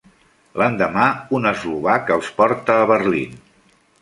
L'endemà, un eslovac els porta a Berlín.